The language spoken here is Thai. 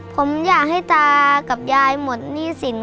ผมอยากให้ตากับยายหมดหนี้สิน